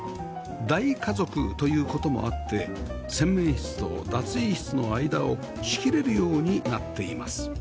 大家族という事もあって洗面室と脱衣室の間を仕切れるようになっています